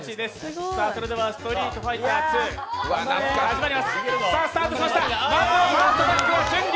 それでは「ストリートファイターⅡ」始まります。